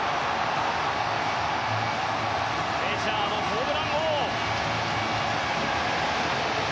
メジャーのホームラン王。